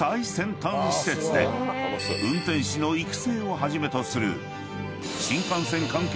［運転士の育成をはじめとする］